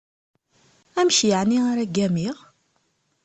Amek yeεni ara ggamiɣ?